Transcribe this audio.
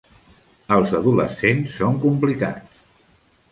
Els adolescents són complicats.